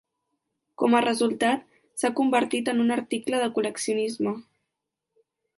Com a resultat, s'ha convertit en un article de col·leccionisme.